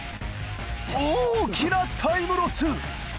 大きなタイムロス。